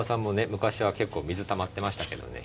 昔は結構水たまってましたけどね。